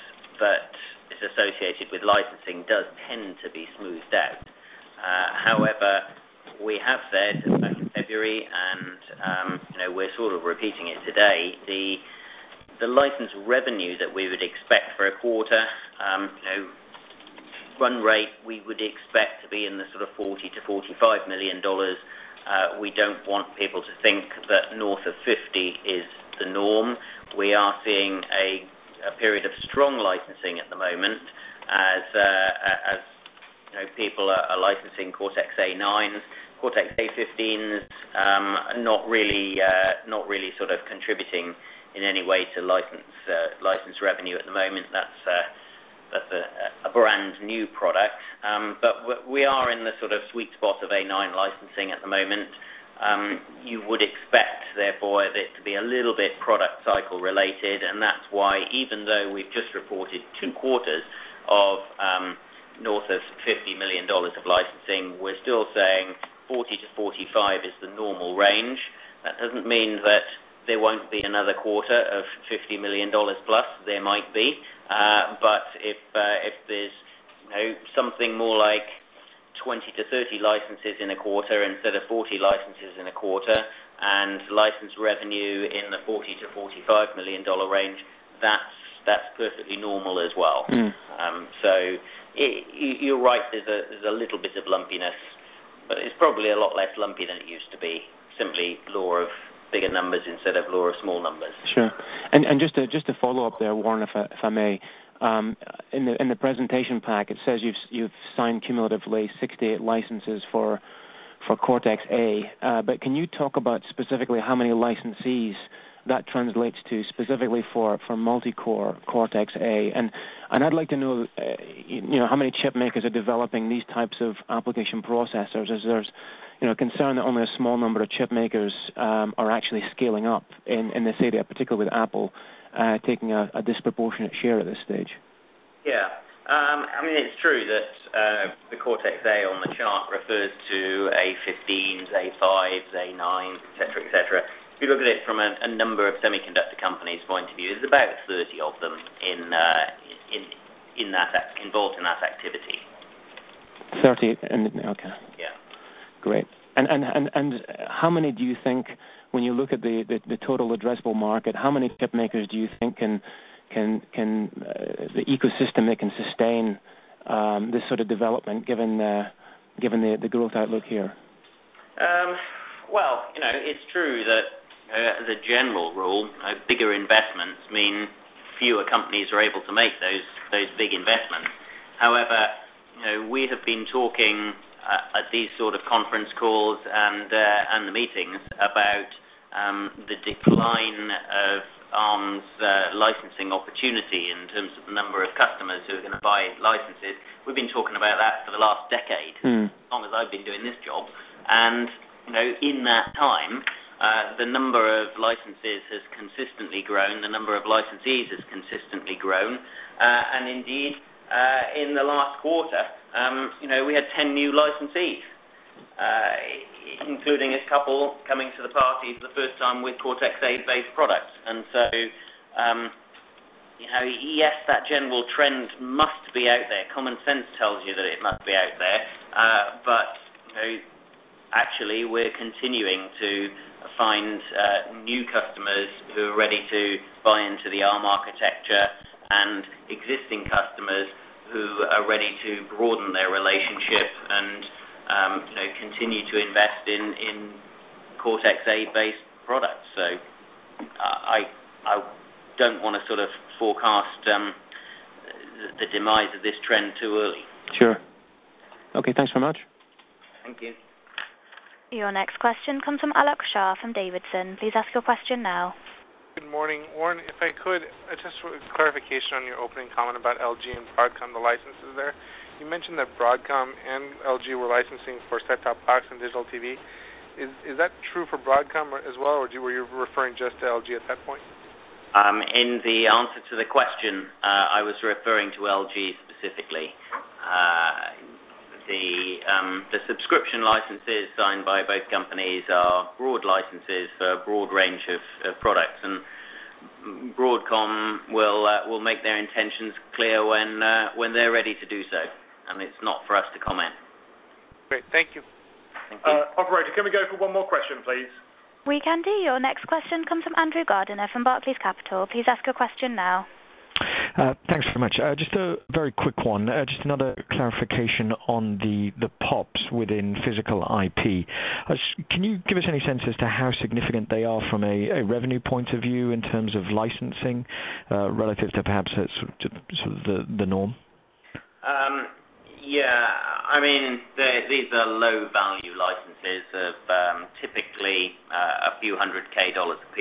that is associated with licensing does tend to be smoothed out. However, we have said back in February, and we're sort of repeating it today, the license revenue that we would expect for a quarter run rate we would expect to be in the sort of $40 million-$45 million. We don't want people to think that north of $50 million is the norm. We are seeing a period of strong licensing at the moment as people are licensing Cortex-A9s, Cortex-A15s, not really sort of contributing in any way to license revenue at the moment. That's a brand new product. We are in the sort of sweet spot of A9 licensing at the moment. You would expect, therefore, it to be a little bit product cycle related. That's why even though we've just reported two quarters of north of $50 million of licensing, we're still saying $40 million-$45 million is the normal range. That doesn't mean that there won't be another quarter of $50 million plus. There might be. If there's something more like 20-30 licenses in a quarter instead of 40 licenses in a quarter and license revenue in the $40 million-$45 million range, that's perfectly normal as well. You're right. There's a little bit of lumpiness, but it's probably a lot less lumpy than it used to be, simply lure of bigger numbers instead of lure of small numbers. Sure. Just a follow-up there, Warren, if I may. In the presentation pack, it says you've signed cumulatively 68 licenses for Cortex-A. Can you talk about specifically how many licensees that translates to specifically for multi-core Cortex-A? I'd like to know how many chipmakers are developing these types of application processors as there's a concern that only a small number of chipmakers are actually scaling up in this area, particularly with Apple taking a disproportionate share at this stage. Yeah. I mean, it's true that the Cortex-A on the chart refers to A15s, A5s, A9s, etc., etc. If you look at it from a number of semiconductor companies' point of view, there's about 30 of them involved in that activity. Okay. Great. How many do you think, when you look at the total addressable market, how many chipmakers do you think can the ecosystem that can sustain this sort of development given the growth outlook here? It is true that as a general rule, bigger investments mean fewer companies are able to make those big investments. However, we have been talking at these sort of conference calls and the meetings about the decline of Arm Holdings' licensing opportunity in terms of the number of customers who are going to buy licenses. We've been talking about that for the last decade, as long as I've been doing this job. In that time, the number of licenses has consistently grown. The number of licensees has consistently grown. Indeed, in the last quarter, we had 10 new licensees, including a couple coming to the party for the first time with Cortex-A-based products. Yes, that general trend must be out there. Common sense tells you that it must be out there. Actually, we're continuing to find new customers who are ready to buy into the Arm architecture and existing customers who are ready to broaden their relationship and continue to invest in Cortex-A-based products. I don't want to forecast the demise of this trend too early. Sure. Okay, thanks very much. Thank you. Your next question comes from Alex Shah from Davidson. Please ask your question now. Good morning. Warren, if I could, I just wanted clarification on your opening comment about LG and Broadcom, the licenses there. You mentioned that Broadcom and LG were licensing for set-top boxes and digital TV. Is that true for Broadcom as well, or were you referring just to LG at that point? In the answer to the question, I was referring to LG specifically. The subscription licenses signed by both companies are broad licenses for a broad range of products. Broadcom will make their intentions clear when they're ready to do so. It is not for us to comment. Great. Thank you. Thank you. Operator, can we go for one more question, please? We can do. Your next question comes from Andrew Gardiner from Barclays Capital. Please ask your question now. Thanks very much. Just a very quick one. Just another clarification on the POPs within physical IP. Can you give us any sense as to how significant they are from a revenue point of view in terms of licensing relative to perhaps sort of the norm? Yeah. I mean, these are low-value licenses of typically a few hundred thousand dollars a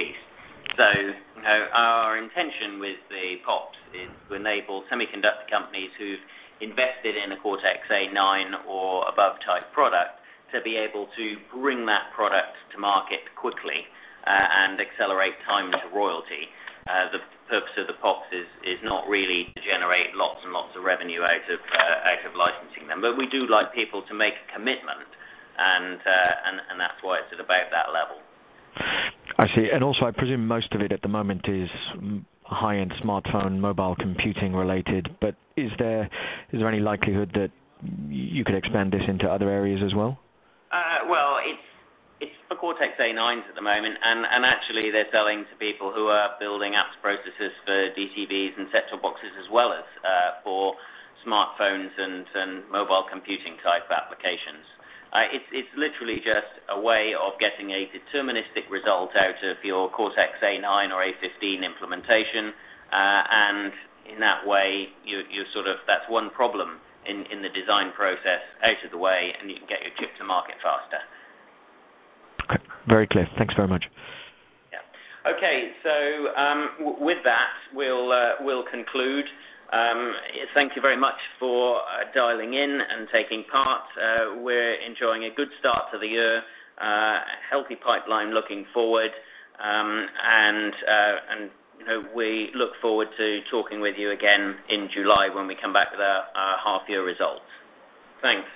piece. Our intention with the POPs is to enable semiconductor companies who've invested in a Cortex-A9 or above type product to be able to bring that product to market quickly and accelerate times of royalty. The purpose of the POPs is not really to generate lots and lots of revenue out of licensing them. We do like people to make a commitment, and that's why it's at about that level. I see. I presume most of it at the moment is high-end smartphone mobile computing related. Is there any likelihood that you could expand this into other areas as well? It's for Cortex-A9s at the moment. Actually, they're selling to people who are building apps processors for DTVs and set-top boxes as well as for smartphones and mobile computing type applications. It's literally just a way of getting a deterministic result out of your Cortex-A9 or A15 implementation. In that way, that's one problem in the design process out of the way, and you can get your chip to market faster. Okay. Very clear. Thanks very much. Okay. With that, we'll conclude. Thank you very much for dialing in and taking part. We're enjoying a good start to the year, a healthy pipeline looking forward. We look forward to talking with you again in July when we come back with our half-year results. Thanks.